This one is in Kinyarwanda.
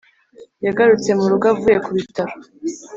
yagarutse murugo avuye kubitaro